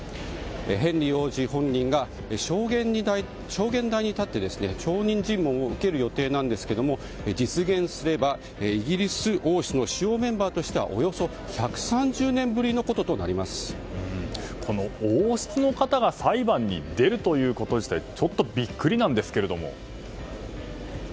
ヘンリー王子本人が証言台に立って証人尋問を受ける予定なんですが実現すればイギリス王室の主要メンバーとしてはおよそ１３０年ぶりのこととこの王室の方が裁判に出るということ自体ちょっとビックリなんですけども。